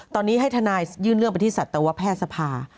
ตอนนี้ให้ทนายยื่นเลือกไปที่สัตว์แต่ว่าแพทย์สภา